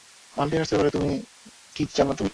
মাল্টিভার্সের ব্যাপারে কী জানো তুমি?